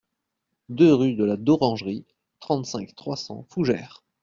deux rue de la Dorangerie, trente-cinq, trois cents, Fougères